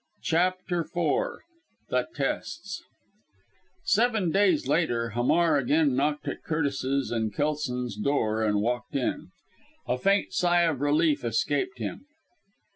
CHAPTER IV THE TESTS Seven days later, Hamar again knocked at Curtis's and Kelson's door and walked in. A faint sigh of relief escaped him.